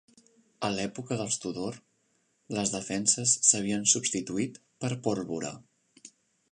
A l"època dels Tudor, las defenses s"havien substituït per pólvora.